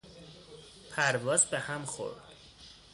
پرواز به هم خورد